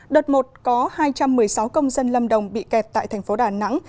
đợt một có hai trăm một mươi sáu công dân lâm đồng bị kẹt tại thành phố đà nẵng